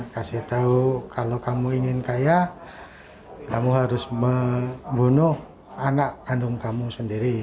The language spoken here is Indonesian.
kasih tahu kalau kamu ingin kaya kamu harus membunuh anak kandung kamu sendiri